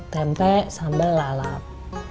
tempe sambal lalap